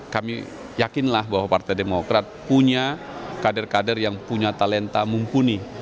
kami yakinlah bahwa partai demokrat punya kader kader yang punya talenta mumpuni